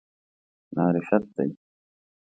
معرفت دی.